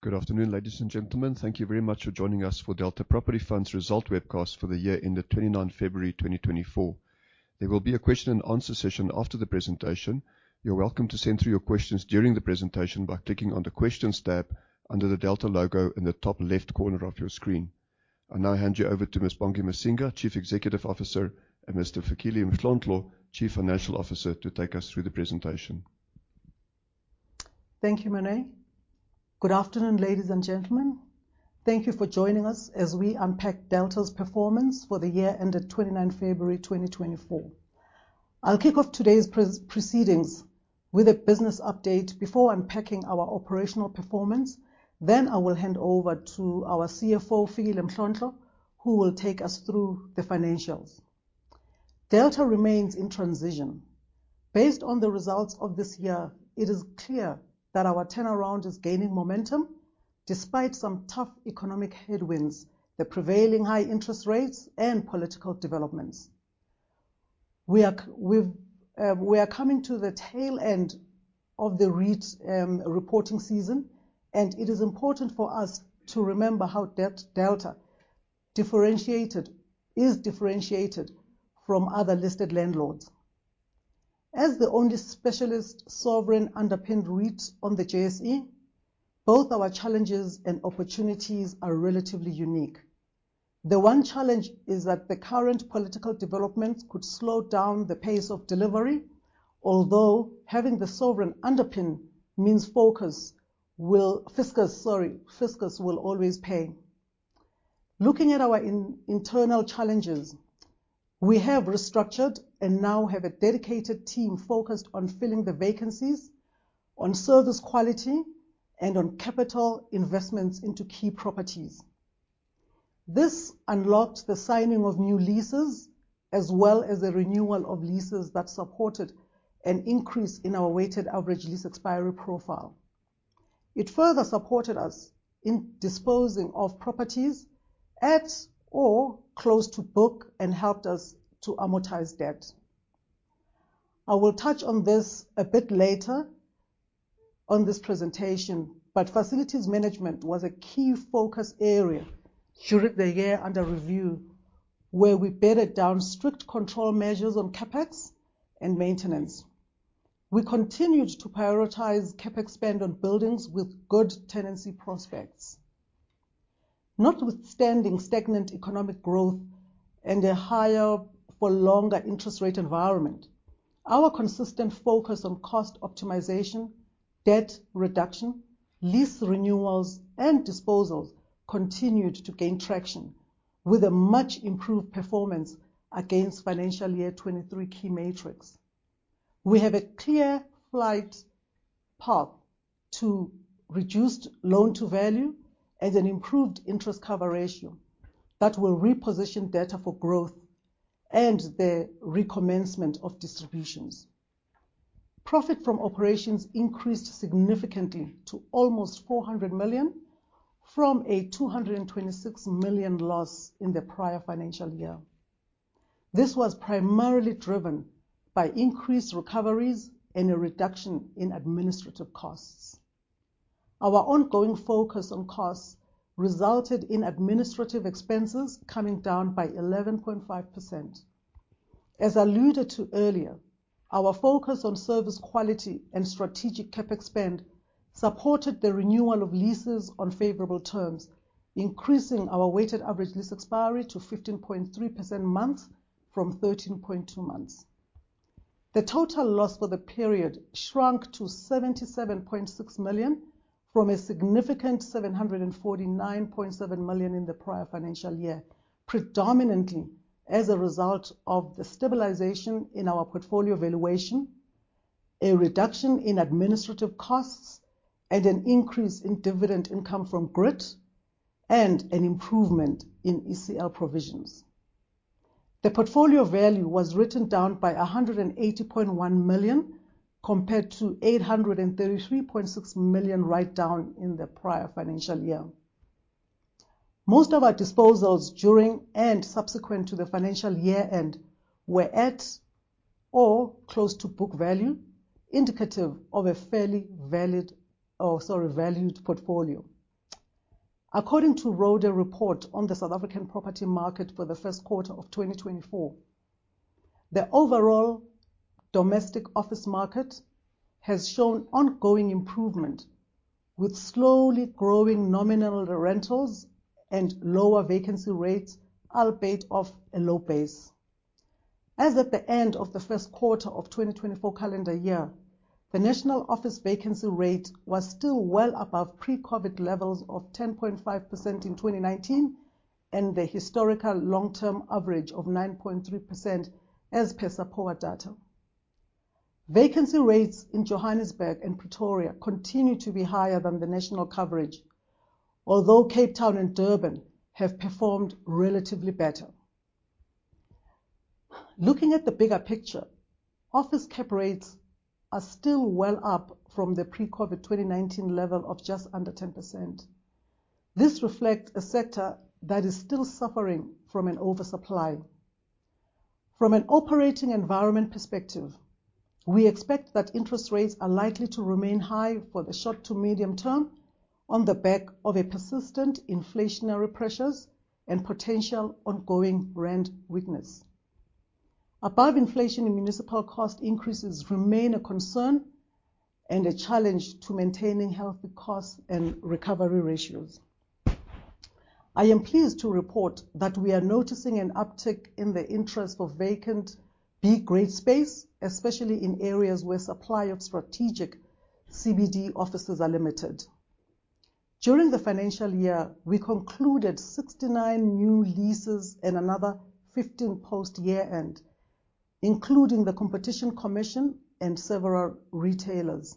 Good afternoon, ladies and gentlemen. Thank you very much for joining us for Delta Property Fund's Results Webcast for the year ended 29 February 2024. There will be a question-and-answer session after the presentation. You're welcome to send through your questions during the presentation by clicking on the Questions tab under the Delta logo in the top left corner of your screen. I now hand you over to Ms. Bongi Masinga, Chief Executive Officer, and Mr. Fikile Mhlontlo, Chief Financial Officer, to take us through the presentation. Thank you, Morné. Good afternoon, ladies and gentlemen. Thank you for joining us as we unpack Delta's performance for the year ended 29 February 2024. I'll kick off today's proceedings with a business update before unpacking our operational performance. Then I will hand over to our CFO, Fikile Mhlontlo, who will take us through the financials. Delta remains in transition. Based on the results of this year, it is clear that our turnaround is gaining momentum despite some tough economic headwinds, the prevailing high interest rates and political developments. We are coming to the tail end of the REIT's reporting season, and it is important for us to remember how Delta is differentiated from other listed landlords. As the only specialist sovereign-underpinned REIT on the JSE, both our challenges and opportunities are relatively unique. The one challenge is that the current political developments could slow down the pace of delivery, although having the sovereign underpin means focus will, fiscus, sorry, fiscus will always pay. Looking at our internal challenges, we have restructured and now have a dedicated team focused on filling the vacancies, on service quality, and on capital investments into key properties. This unlocked the signing of new leases, as well as a renewal of leases that supported an increase in our weighted average lease expiry profile. It further supported us in disposing of properties at or close to book and helped us to amortize debt. I will touch on this a bit later on this presentation, but facilities management was a key focus area during the year under review, where we bedded down strict control measures on CapEx and maintenance. We continued to prioritize CapEx spend on buildings with good tenancy prospects. Notwithstanding stagnant economic growth and a higher-for-longer interest rate environment, our consistent focus on cost optimization, debt reduction, lease renewals, and disposals continued to gain traction, with a much improved performance against financial year 2023 key metrics. We have a clear flight path to reduced loan-to-value and an improved interest cover ratio that will reposition Delta for growth and the recommencement of distributions. Profit from operations increased significantly to almost 400 million, from a 226 million loss in the prior financial year. This was primarily driven by increased recoveries and a reduction in administrative costs. Our ongoing focus on costs resulted in administrative expenses coming down by 11.5%. As alluded to earlier, our focus on service quality and strategic CapEx spend supported the renewal of leases on favorable terms, increasing our weighted average lease expiry to 15.3 months from 13.2 months. The total loss for the period shrunk to 77.6 million, from a significant 749.7 million in the prior financial year, predominantly as a result of the stabilization in our portfolio valuation, a reduction in administrative costs, and an increase in dividend income from Grit, and an improvement in ECL provisions. The portfolio value was written down by 180.1 million, compared to 833.6 million write down in the prior financial year. Most of our disposals during and subsequent to the financial year end were at or close to book value, indicative of a fairly valid, or sorry, valued portfolio. According to Rode Report on the South African property market for the first quarter of 2024, the overall domestic office market has shown ongoing improvement, with slowly growing nominal rentals and lower vacancy rates, albeit off a low base. As at the end of the first quarter of 2024 calendar year, the national office vacancy rate was still well above pre-COVID levels of 10.5% in 2019, and the historical long-term average of 9.3%, as per SAPOA data. Vacancy rates in Johannesburg and Pretoria continue to be higher than the national coverage, although Cape Town and Durban have performed relatively better. Looking at the bigger picture, office cap rates are still well up from the pre-COVID 2019 level of just under 10%. This reflects a sector that is still suffering from an oversupply. From an operating environment perspective, we expect that interest rates are likely to remain high for the short to medium term on the back of a persistent inflationary pressures and potential ongoing rand weakness. Above inflation and municipal cost increases remain a concern and a challenge to maintaining healthy costs and recovery ratios. I am pleased to report that we are noticing an uptick in the interest of vacant B-grade space, especially in areas where supply of strategic CBD offices are limited. During the financial year, we concluded 69 new leases and another 15 post-year-end, including the Competition Commission and several retailers.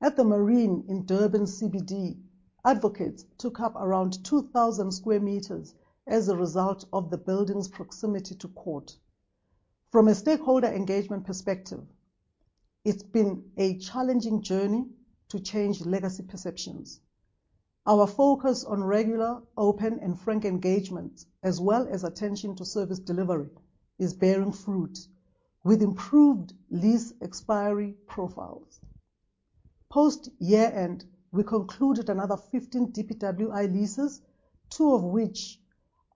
At The Marine in Durban, CBD, advocates took up around 2,000 square meters as a result of the building's proximity to court. From a stakeholder engagement perspective, it's been a challenging journey to change legacy perceptions. Our focus on regular, open, and frank engagements, as well as attention to service delivery, is bearing fruit with improved lease expiry profiles. Post year-end, we concluded another 15 DPWI leases, two of which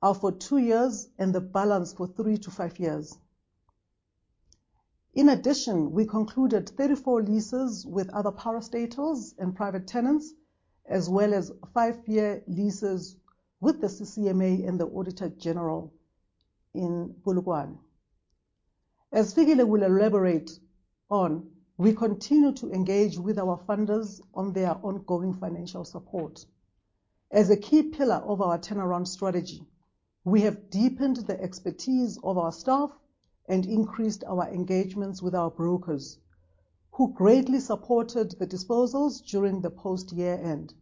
are for two years, and the balance for three to five years. In addition, we concluded 34 leases with other parastatals and private tenants, as well as five-year leases with the CCMA and the Auditor General in Polokwane. As Fikile will elaborate on, we continue to engage with our funders on their ongoing financial support. As a key pillar of our turnaround strategy, we have deepened the expertise of our staff and increased our engagements with our brokers, who greatly supported the disposals during the post-year-end.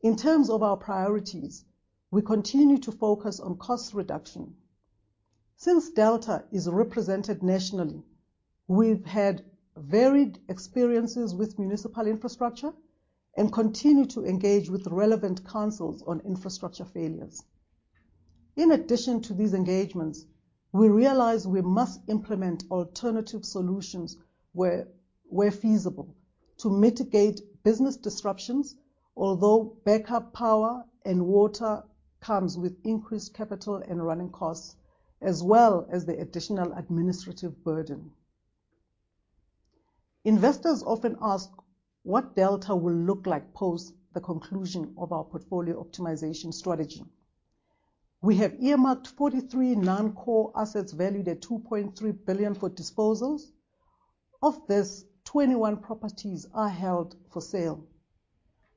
In terms of our priorities, we continue to focus on cost reduction. Since Delta is represented nationally, we've had varied experiences with municipal infrastructure and continue to engage with relevant councils on infrastructure failures. In addition to these engagements, we realize we must implement alternative solutions where feasible to mitigate business disruptions, although backup power and water comes with increased capital and running costs, as well as the additional administrative burden. Investors often ask what Delta will look like post the conclusion of our portfolio optimization strategy. We have earmarked 43 non-core assets valued at 2.3 billion for disposals. Of this, 21 properties are held for sale.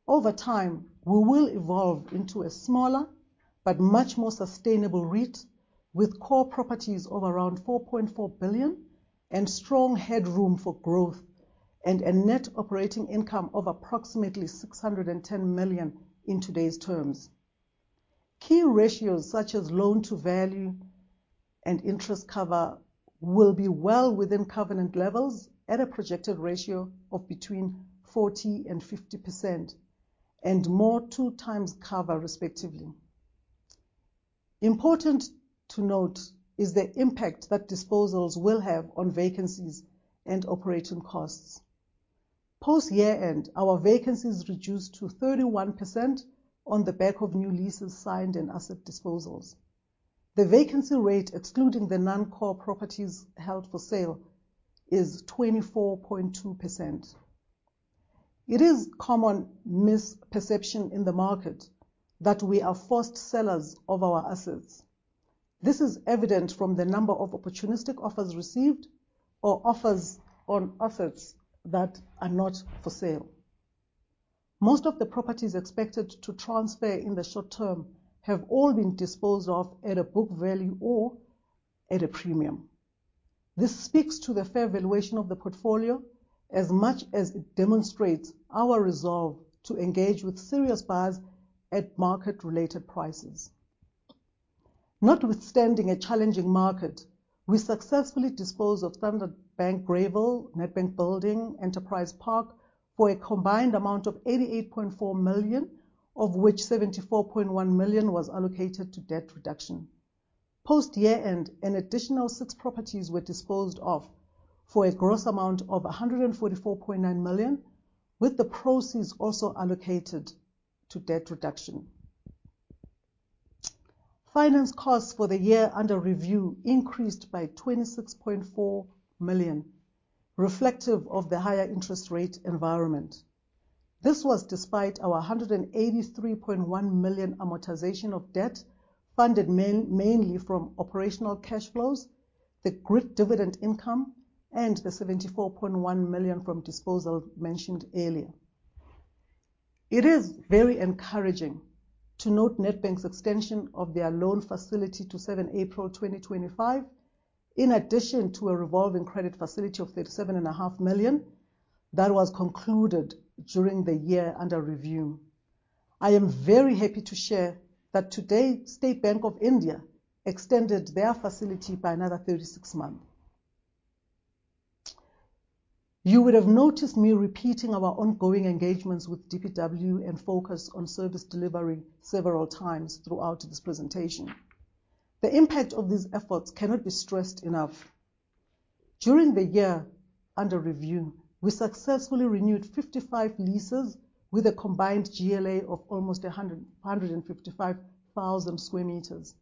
Over time, we will evolve into a smaller but much more sustainable REIT, with core properties of around 4.4 billion and strong headroom for growth, and a net operating income of approximately 610 million in today's terms. Key ratios, such as loan to value and interest cover, will be well within covenant levels at a projected ratio of between 40%-50%, and more 2x cover, respectively. Important to note is the impact that disposals will have on vacancies and operating costs. Post year-end, our vacancy is reduced to 31% on the back of new leases signed and asset disposals. The vacancy rate, excluding the non-core properties held for sale, is 24.2%. It is a common misperception in the market that we are forced sellers of our assets. This is evident from the number of opportunistic offers received or offers on assets that are not for sale. Most of the properties expected to transfer in the short term have all been disposed of at a book value or at a premium. This speaks to the fair valuation of the portfolio as much as it demonstrates our resolve to engage with serious buyers at market-related prices. Notwithstanding a challenging market, we successfully disposed of Standard Bank Greyville, Nedbank Building, Enterprise Park for a combined amount of 88.4 million, of which 74.1 million was allocated to debt reduction. Post year-end, an additional six properties were disposed of for a gross amount of 144.9 million, with the proceeds also allocated to debt reduction. Finance costs for the year under review increased by 26.4 million, reflective of the higher interest rate environment. This was despite our 183.1 million amortization of debt, funded mainly from operational cash flows, the Grit dividend income, and the 74.1 million from disposal mentioned earlier. It is very encouraging to note Nedbank's extension of their loan facility to 7th April 2025, in addition to a revolving credit facility of 37.5 million, that was concluded during the year under review. I am very happy to share that today, State Bank of India extended their facility by another 36 months. You would have noticed me repeating our ongoing engagements with DPW and focus on service delivery several times throughout this presentation. The impact of these efforts cannot be stressed enough. During the year under review, we successfully renewed 55 leases with a combined GLA of almost 155,000 square meters.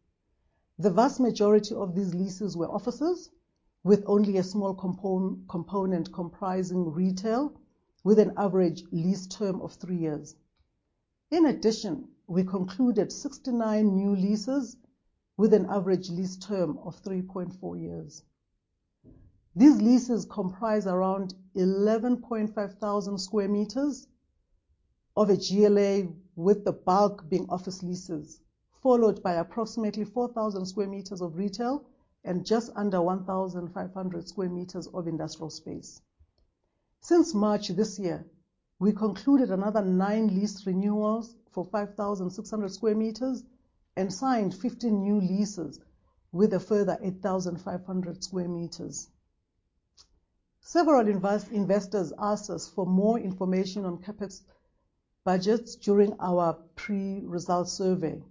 The vast majority of these leases were offices, with only a small component comprising retail, with an average lease term of 3 years. In addition, we concluded 69 new leases with an average lease term of 3.4 years. These leases comprise around 11,500 square meters of GLA, with the bulk being office leases, followed by approximately 4,000 square meters of retail and just under 1,500 square meters of industrial space. Since March this year, we concluded another 9 lease renewals for 5,600 square meters and signed 15 new leases with a further 8,500 square meters. Several investors asked us for more information on CapEx budgets during our pre-result survey.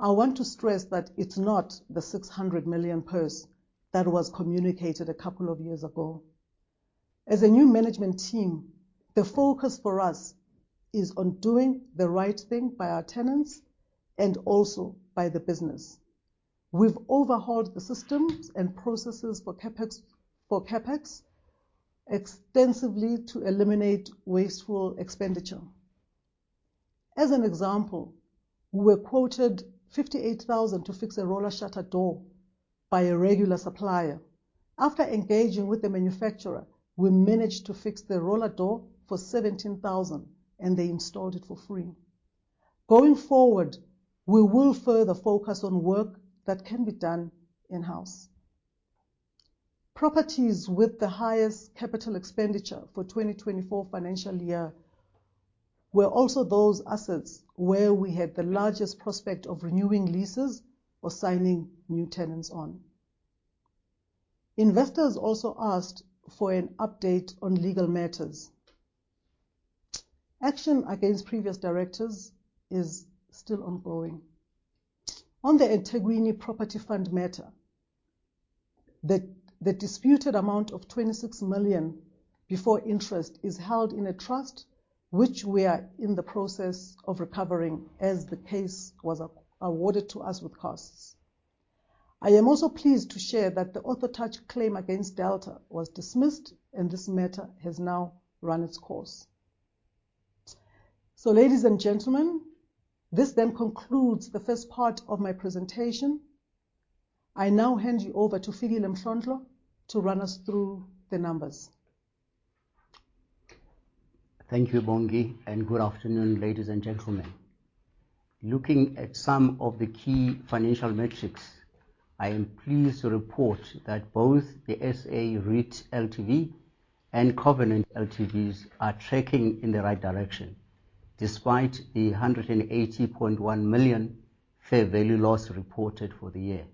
I want to stress that it's not the 600 million per se that was communicated a couple of years ago. As a new management team, the focus for us is on doing the right thing by our tenants and also by the business. We've overhauled the systems and processes for CapEx, for CapEx extensively to eliminate wasteful expenditure. As an example, we were quoted 58,000 to fix a roller shutter door by a regular supplier. After engaging with the manufacturer, we managed to fix the roller door for 17,000, and they installed it for free. Going forward, we will further focus on work that can be done in-house. Properties with the highest capital expenditure for 2024 financial year were also those assets where we had the largest prospect of renewing leases or signing new tenants on. Investors also asked for an update on legal matters. Action against previous directors is still ongoing. On the Integra Property Fund matter, the disputed amount of 26 million before interest is held in a trust, which we are in the process of recovering as the case was awarded to us with costs. I am also pleased to share that the OrthoTouch claim against Delta was dismissed, and this matter has now run its course. So, ladies and gentlemen, this then concludes the first part of my presentation. I now hand you over to Fikile Mhlontlo to run us through the numbers. Thank you, Bongi, and good afternoon, ladies and gentlemen. Looking at some of the key financial metrics, I am pleased to report that both the SA REIT LTV and Covenant LTVs are tracking in the right direction, despite the 180.1 million fair value loss reported for the year.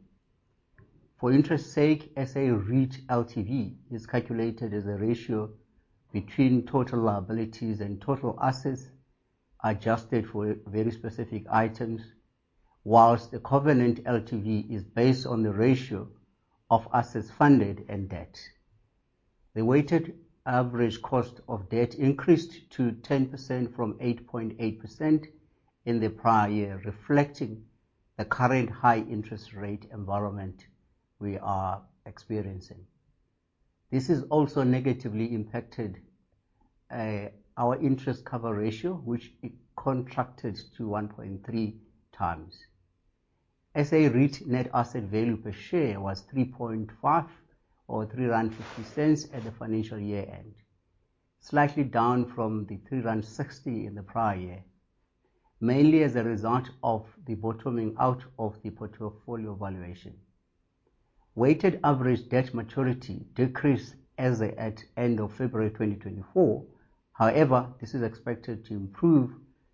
For interest's sake, SA REIT LTV is calculated as a ratio between total liabilities and total assets, adjusted for very specific items, while the covenant LTV is based on the ratio of assets funded and debt. The weighted average cost of debt increased to 10% from 8.8% in the prior year, reflecting the current high interest rate environment we are experiencing. This has also negatively impacted our interest cover ratio, which it contracted to 1.3 times. SA REIT net asset value per share was 3.5 or 3.50 rand at the financial year-end, slightly down from the 3.60 rand in the prior year, mainly as a result of the bottoming out of the portfolio valuation. Weighted average debt maturity decreased as at end of February 2024. However, this is expected to improve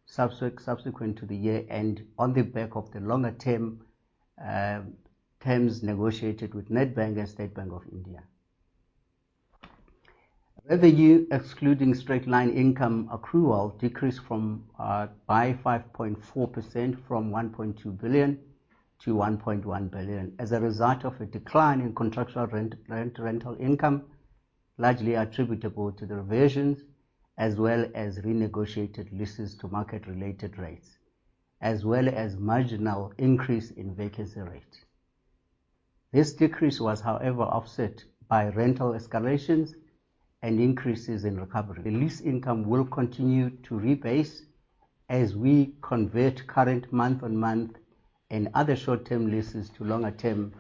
subsequent to the year-end on the back of the longer term terms negotiated with Nedbank and State Bank of India. Revenue, excluding straight-line income accrual, decreased by 5.4% from 1.2 billion-1.1 billion as a result of a decline in contractual rent, rent, rental income, largely attributable to the reversions, as well as renegotiated leases to market-related rates, as well as marginal increase in vacancy rate. This decrease was, however, offset by rental escalations and increases in recovery. The lease income will continue to rebase as we convert current month-on-month and other short-term leases to longer-term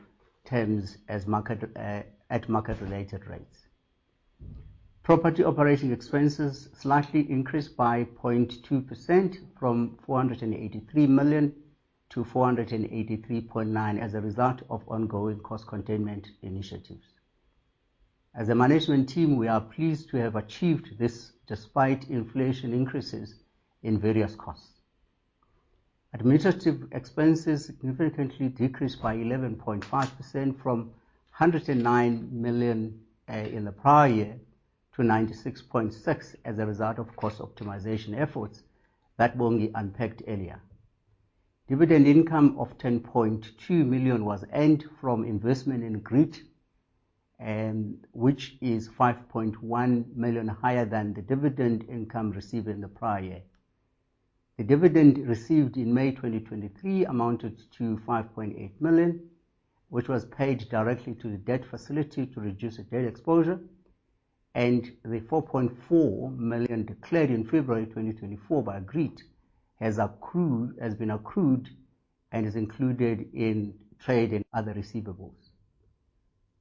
terms as market at market-related rates. Property operating expenses slightly increased by 0.2% from 483 million-483.9 million as a result of ongoing cost containment initiatives. As a management team, we are pleased to have achieved this despite inflation increases in various costs. Administrative expenses significantly decreased by 11.5% from 109 million in the prior year to 96.6 million as a result of cost optimization efforts that Bongi unpacked earlier. Dividend income of 10.2 million was earned from investment in Grit, and which is 5.1 million higher than the dividend income received in the prior year. The dividend received in May 2023 amounted to 5.8 million, which was paid directly to the debt facility to reduce the debt exposure, and the 4.4 million declared in February 2024 by Grit has been accrued and is included in trade and other receivables.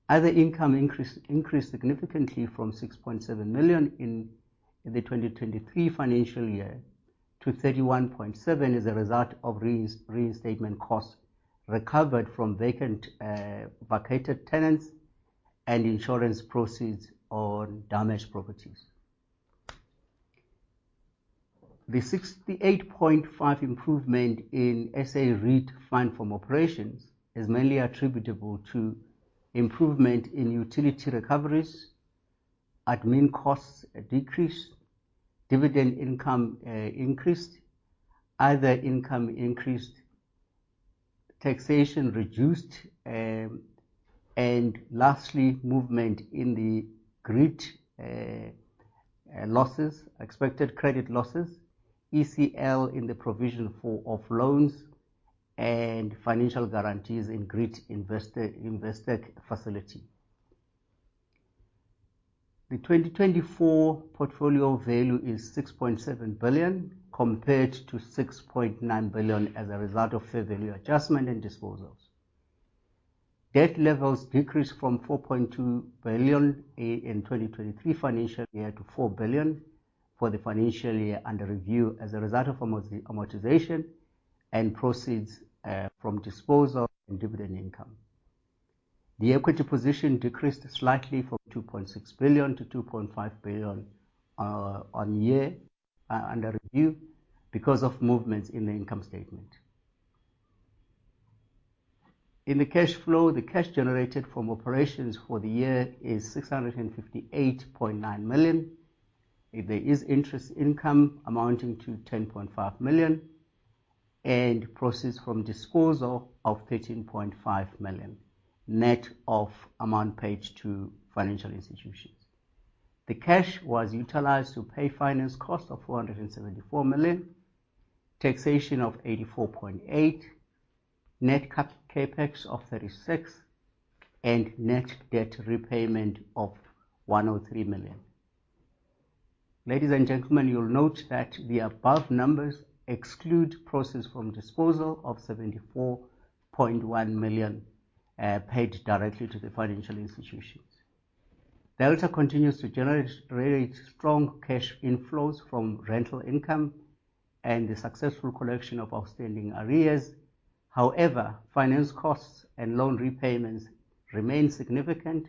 Other income increased significantly from 6.7 million in the 2023 financial year to 31.7 million as a result of reinstatement costs recovered from vacant vacated tenants and insurance proceeds on damaged properties. The 68.5% improvement in SA REIT Funds From Operations is mainly attributable to improvement in utility recoveries, admin costs decreased, dividend income increased, other income increased, taxation reduced, and lastly, movement in the Grit losses, expected credit losses, ECL in the provision for loans and financial guarantees in Grit Investec facility. The 2024 portfolio value is 6.7 billion, compared to 6.9 billion as a result of fair value adjustment and disposals. Debt levels decreased from 4.2 billion in 2023 financial year, to 4 billion for the financial year under review, as a result of amortization and proceeds from disposal and dividend income. The equity position decreased slightly from 2.6 billion-2.5 billion, one year under review, because of movements in the income statement. In the cash flow, the cash generated from operations for the year is 658.9 million. There is interest income amounting to 10.5 million, and proceeds from disposal of 13.5 million, net of amount paid to financial institutions. The cash was utilized to pay finance cost of 474 million, taxation of 84.8 million, net CapEx of 36 million, and net debt repayment of 103 million. Ladies and gentlemen, you'll note that the above numbers exclude proceeds from disposal of 74.1 million, paid directly to the financial institutions. Delta continues to generate strong cash inflows from rental income and the successful collection of outstanding arrears. However, finance costs and loan repayments remain significant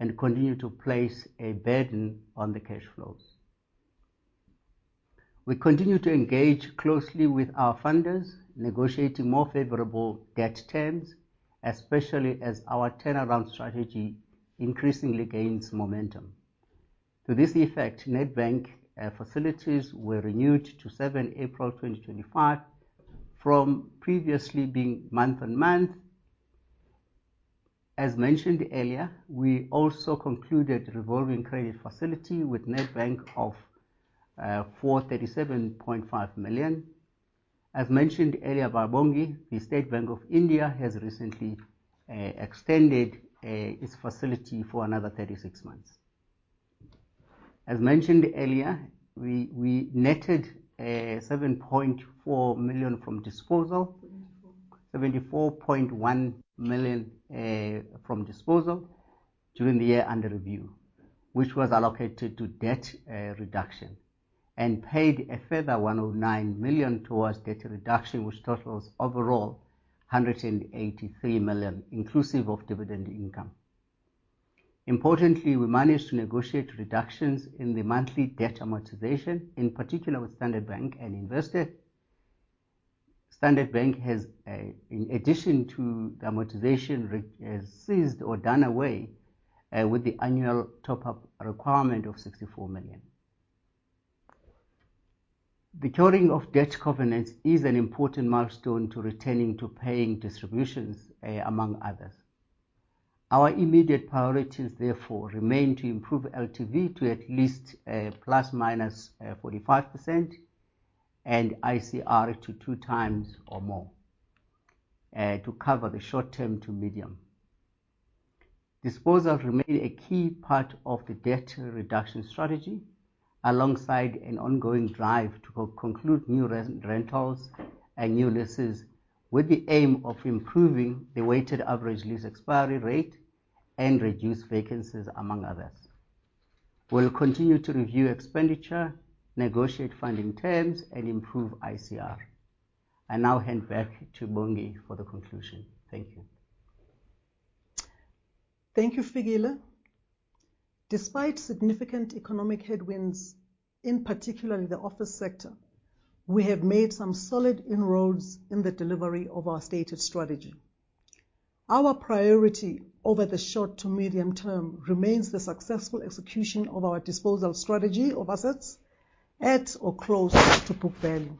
and continue to place a burden on the cash flows. We continue to engage closely with our funders, negotiating more favorable debt terms, especially as our turnaround strategy increasingly gains momentum. To this effect, Nedbank facilities were renewed to 7 April 2025, from previously being month-on-month. As mentioned earlier, we also concluded revolving credit facility with Nedbank of 437.5 million. As mentioned earlier by Bongi, the State Bank of India has recently extended its facility for another 36 months. As mentioned earlier, we netted 7.4 million from disposal. 74.1 million from disposal during the year under review, which was allocated to debt reduction, and paid a further 109 million towards debt reduction, which totals overall 183 million, inclusive of dividend income. Importantly, we managed to negotiate reductions in the monthly debt amortization, in particular with Standard Bank and Investec. Standard Bank has, in addition to amortization, ceased or done away with the annual top-up requirement of 64 million. The curing of debt covenants is an important milestone to returning to paying distributions, among others. Our immediate priorities therefore remain to improve LTV to at least ±45%, and ICR to 2x or more, to cover the short-term to medium. Disposals remain a key part of the debt reduction strategy, alongside an ongoing drive to conclude new rentals and new leases, with the aim of improving the weighted average lease expiry rate and reduce vacancies, among others. We'll continue to review expenditure, negotiate funding terms, and improve ICR. I now hand back to Bongi for the conclusion. Thank you. Thank you, Fikile. Despite significant economic headwinds, in particular, the office sector, we have made some solid inroads in the delivery of our stated strategy. Our priority over the short to medium term remains the successful execution of our disposal strategy of assets at or close to book value,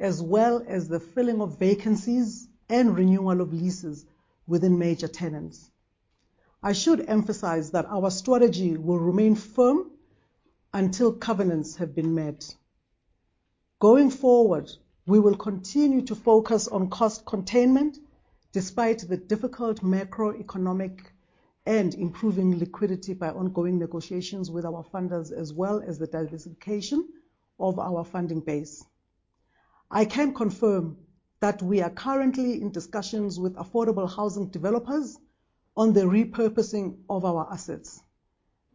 as well as the filling of vacancies and renewal of leases within major tenants. I should emphasize that our strategy will remain firm until covenants have been met. Going forward, we will continue to focus on cost containment despite the difficult macroeconomic and improving liquidity by ongoing negotiations with our funders, as well as the diversification of our funding base. I can confirm that we are currently in discussions with affordable housing developers on the repurposing of our assets.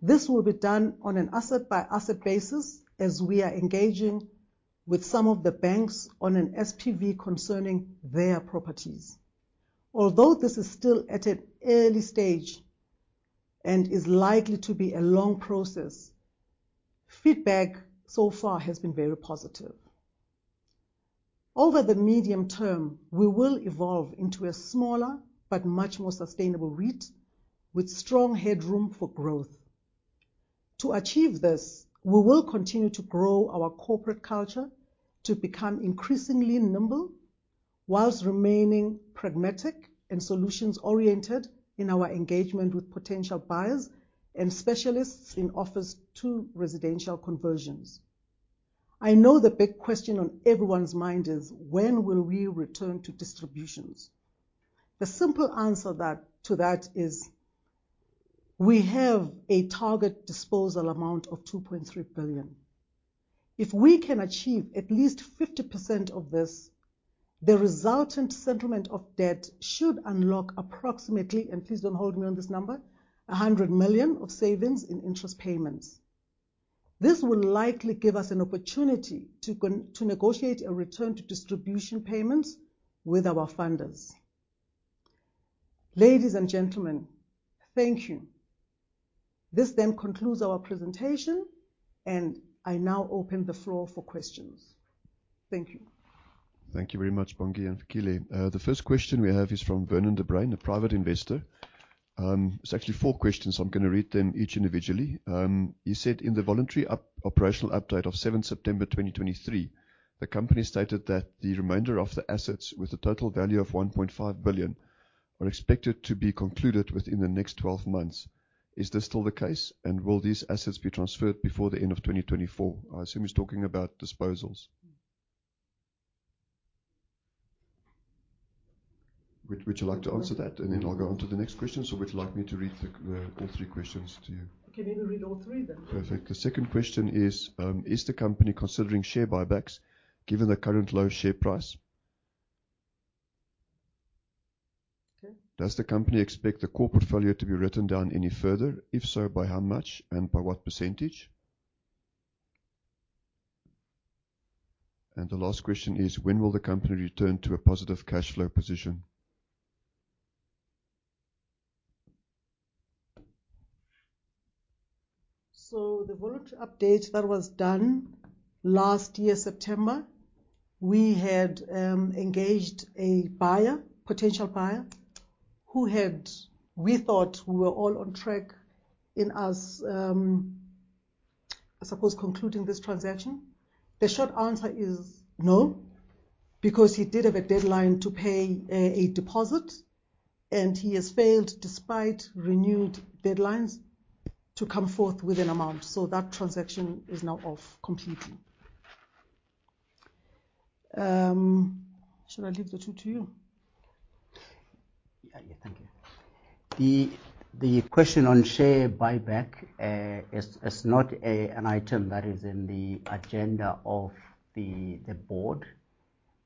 This will be done on an asset-by-asset basis, as we are engaging with some of the banks on an SPV concerning their properties. Although this is still at an early stage and is likely to be a long process, feedback so far has been very positive. Over the medium term, we will evolve into a smaller but much more sustainable REIT with strong headroom for growth. To achieve this, we will continue to grow our corporate culture to become increasingly nimble, while remaining pragmatic and solutions-oriented in our engagement with potential buyers and specialists in office-to-residential conversions. I know the big question on everyone's mind is: When will we return to distributions? The simple answer to that is, we have a target disposal amount of 2.3 billion. If we can achieve at least 50% of this, the resultant settlement of debt should unlock approximately, and please don't hold me on this number, 100 million of savings in interest payments. This will likely give us an opportunity to negotiate a return to distribution payments with our funders. Ladies and gentlemen, thank you. This then concludes our presentation, and I now open the floor for questions. Thank you. Thank you very much, Bongi and Fikile. The first question we have is from Vernon de Bruin, a private investor. It's actually four questions, so I'm gonna read them each individually. He said, "In the voluntary up, operational update of 7th September 2023, the company stated that the remainder of the assets, with a total value of 1.5 billion, are expected to be concluded within the next 12 months. Is this still the case, and will these assets be transferred before the end of 2024?" I assume he's talking about disposals. Would, would you like to answer that, and then I'll go on to the next question, or would you like me to read the all three questions to you? You can even read all three then. Perfect. The second question is: "Is the company considering share buybacks, given the current low share price? Okay. Does the company expect the core portfolio to be written down any further? If so, by how much and by what percentage?" The last question is: "When will the company return to a positive cash flow position? So the voluntary update that was done last year, September, we had engaged a potential buyer, who had, we thought we were all on track in as, I suppose, concluding this transaction. The short answer is no, because he did have a deadline to pay a deposit, and he has failed, despite renewed deadlines, to come forth with an amount, so that transaction is now off completely. Should I leave the two to you? The question on share buyback is not an item that is in the agenda of the board.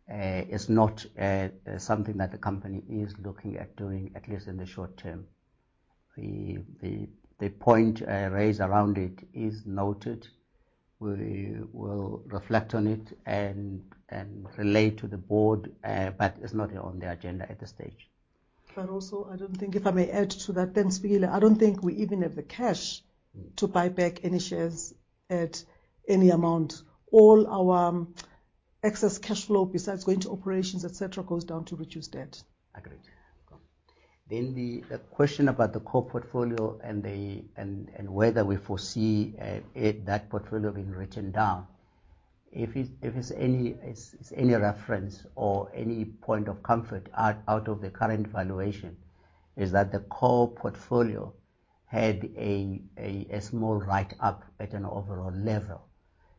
It's not something that the company is looking at doing, at least in the short term. The point raised around it is noted. We will reflect on it and relay to the board, but it's not on the agenda at this stage. But also, I don't think... If I may add to that, then, Fikile, I don't think we even have the cash to buy back any shares at any amount. All our excess cash flow, besides going to operations, etc., goes down to reduce debt. Agreed. Cool. Then the question about the core portfolio and whether we foresee that portfolio being written down. If it's any reference or any point of comfort out of the current valuation, is that the core portfolio had a small write-up at an overall level.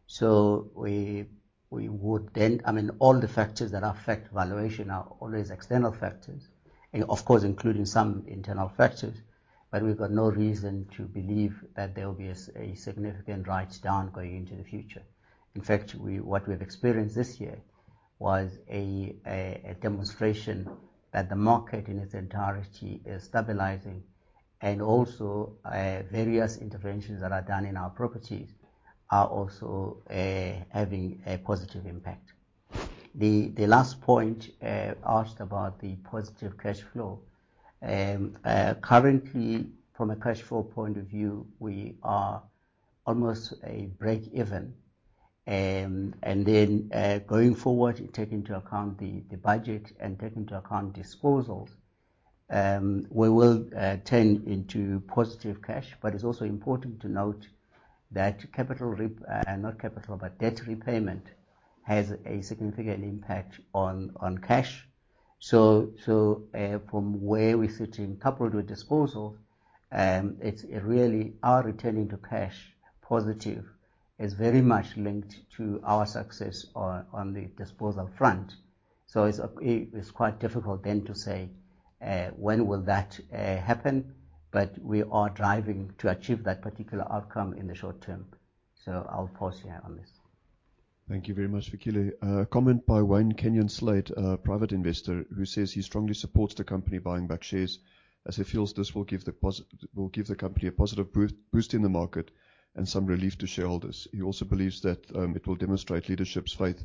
So we would then. I mean, all the factors that affect valuation are always external factors, and of course, including some internal factors, but we've got no reason to believe that there will be a significant write-down going into the future. In fact, what we've experienced this year was a demonstration that the market, in its entirety, is stabilizing, and also various interventions that are done in our properties are also having a positive impact. The last point asked about the positive cash flow. Currently, from a cash flow point of view, we are almost a break even. And then, going forward, you take into account the budget and take into account disposals, we will turn into positive cash. But it's also important to note that not capital, but debt repayment has a significant impact on cash. So, from where we're sitting, coupled with disposal, it's really our returning to cash positive is very much linked to our success on the disposal front. So it's quite difficult then to say when will that happen, but we are driving to achieve that particular outcome in the short term. So I'll pause here on this. Thank you very much, Fikile. A comment by Wayne Kenyon-Slade, a private investor, who says he strongly supports the company buying back shares, as he feels this will give the company a positive boost in the market and some relief to shareholders. He also believes that, it will demonstrate leadership's faith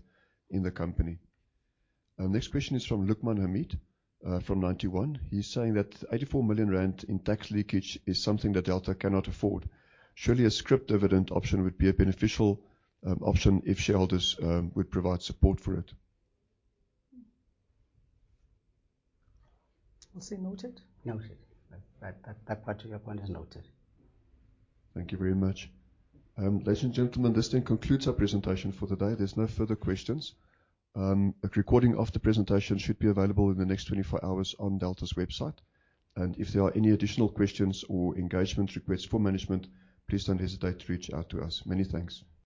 in the company. Next question is from Luqman Hamid, from Ninety One. He's saying that 84 million rand in tax leakage is something that Delta cannot afford. Surely, a scrip dividend option would be a beneficial, option if shareholders, would provide support for it. We'll say, noted? Noted. That particular point is noted. Thank you very much. Ladies and gentlemen, this then concludes our presentation for today. There's no further questions. A recording of the presentation should be available in the next 24 hours on Delta's website. If there are any additional questions or engagement requests for management, please don't hesitate to reach out to us. Many thanks.